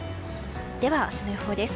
では、明日の予報です。